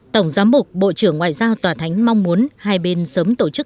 tổng giám mục bộ trưởng ngoại giao tòa thánh mong muốn hai bên sớm tổ chức